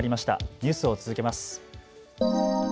ニュースを続けます。